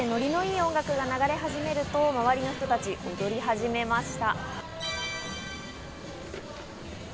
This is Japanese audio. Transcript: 音楽が流れ始めると周りの人たちが踊り始めました。